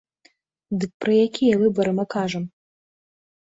Дык пра якія выбары мы кажам?!